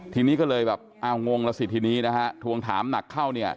ทีนี้ก็เลยแบบงงละสิทีนี้ทวงถามหนักเข้า